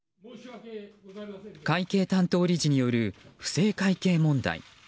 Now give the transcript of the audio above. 会計担当理事による不正会計問題。